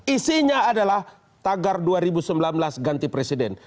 isinya adalah tagar dua ribu sembilan belas ganti presiden